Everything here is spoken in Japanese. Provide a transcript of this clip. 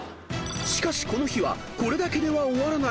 ［しかしこの日はこれだけでは終わらない］